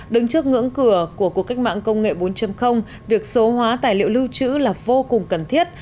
đứng trước ngưỡng cửa của cuộc cách mạng công nghệ bốn việc số hóa tài liệu lưu trữ là vô cùng cần thiết